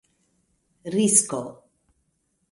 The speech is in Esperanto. risko